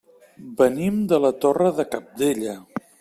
Venim de la Torre de Cabdella.